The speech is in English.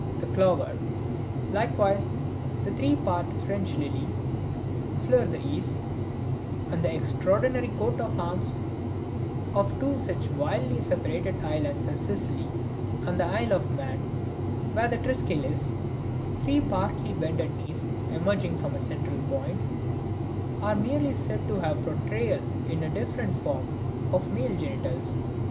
the clover, likewise the three part French lily, (fleur de lys), and the extraordinary coats of arms of two such widely separated islands as Sicily and the Isle of Man, where the Triskeles (three partly bended knees, emerging from a central point) are merely said to be the portrayal in a different form of the male genitals.